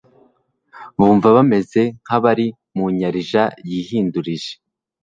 bumva bameze nk'abari mu nyarija yihindurije.